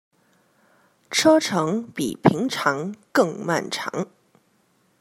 車程比平常更漫長